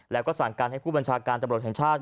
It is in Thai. แล้วก็สั่งการให้ผู้บัญชาการตำรวจแห่งชาติ